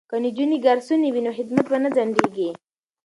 که نجونې ګارسونې وي نو خدمت به نه ځنډیږي.